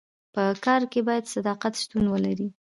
په کار کي باید صداقت شتون ولري.